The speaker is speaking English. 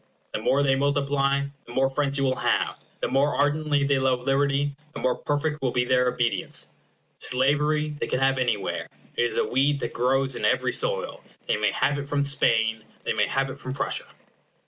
The more they multiply, the more friends you will have; the more ardently they love liberty, the more perfect will be their obedience. Slavery they can have anywhere it is a weed that grows in every soil. They may have it from Spain; they may have it from Prussia.